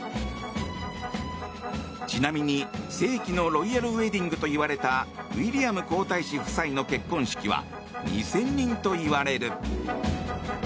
ちなみに、世紀のロイヤルウェディングといわれたウィリアム皇太子夫妻の結婚式は２０００人といわれる。